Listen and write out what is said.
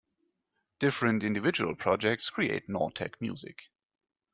Different individual projects create nortec music.